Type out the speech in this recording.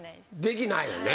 できないよね。